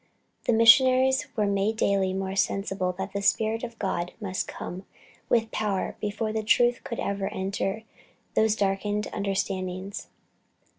The missionaries were made daily more sensible that the Spirit of God must come "with power," before the truth could ever enter those darkened understandings.